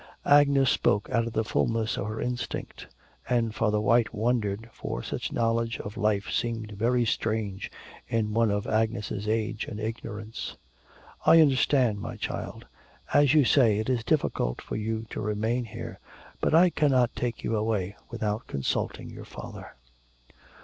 Agnes spoke out of the fulness of her instinct, and Father White wondered, for such knowledge of life seemed very strange in one of Agnes' age and ignorance. 'I understand, my child. As you say, it is difficult for you to remain here. But I cannot take you away without consulting your father.'